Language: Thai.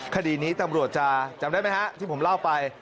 คดีนี้ตำรวจจะจำได้ไหมฮะที่ผมเล่าไป